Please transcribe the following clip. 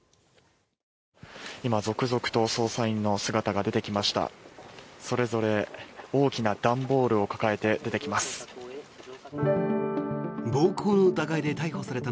今、続々と捜査員の姿が出てきました。